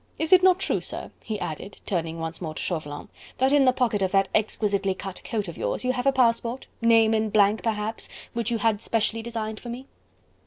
Is it not true, sir," he added, turning once more to Chauvelin, "that in the pocket of that exquisitely cut coat of yours, you have a passport name in blank perhaps which you had specially designed for me?"